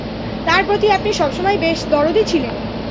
তার প্রতি আপনি সবসময়ই বেশ দরদী ছিলেন।